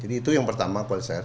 jadi itu yang pertama kualitas airnya